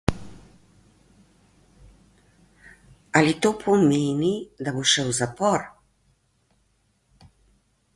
Ali to pomeni, da bo šel v zapor?